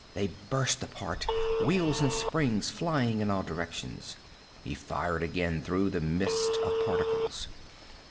They burst apart, wheels and springs flying in all directions. He fired again through the mist of particles.